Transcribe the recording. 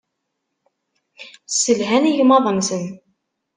Sselhan igmaḍ-nsen.